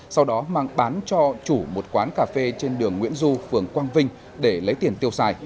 sau đó mang bán cho chủ một quán cà phê trên đường nguyễn du phường quang vinh để lấy tiền tiêu xài